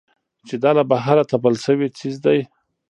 چې دا له بهره تپل شوى څيز دى.